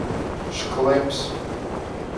Škleps.